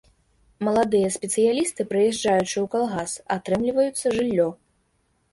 Маладыя спецыялісты, прыязджаючы ў калгас, атрымліваюцца жыллё.